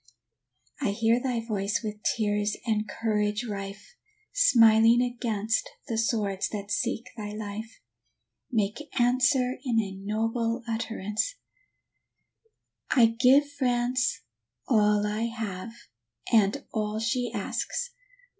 I hear thy voice with tears and courage rife, Smiling against the swords that seek thy life Make answer in a noble utterance: "I give France all I have, and all she asks.